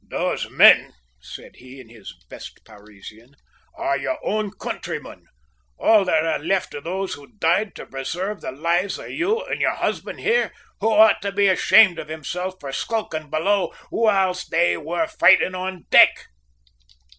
"Those men," said he in his best Parisian, "are your own countrymen, all that are left of those who died to preserve the lives of you and your husband there, who ought to be ashamed of himself for skulking below while they were fighting on deck."